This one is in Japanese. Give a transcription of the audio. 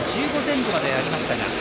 １５前後までありました。